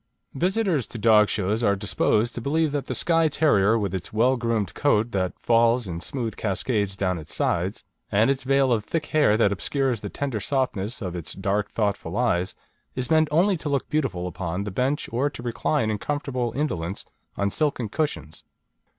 Visitors to dog shows are disposed to believe that the Skye Terrier, with its well groomed coat that falls in smooth cascades down its sides, and its veil of thick hair that obscures the tender softness of its dark and thoughtful eyes, is meant only to look beautiful upon the bench or to recline in comfortable indolence on silken cushions.